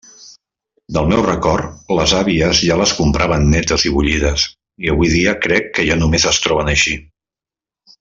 Del meu record, les àvies ja les compraven netes i bullides, i avui dia crec que ja només es troben així.